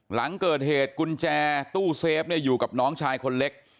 หลังเกิดเหตุกุญแจตู้เซฟอยู่กับน้องชายคนเล็ก